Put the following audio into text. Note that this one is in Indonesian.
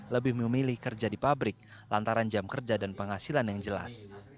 lebih memilih kerja di pabrik lantaran jam kerja dan penghasilan yang jelas